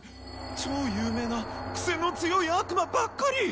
超有名なクセの強い悪魔ばっかり！